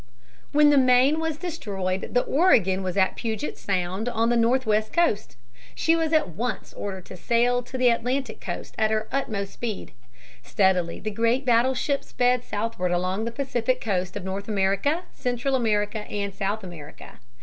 When the Maine was destroyed, the Oregon was at Puget Sound on the northwest coast. She was at once ordered to sail to the Atlantic coast at her utmost speed. Steadily the great battleship sped southward along the Pacific coast of North America, Central America, and South America.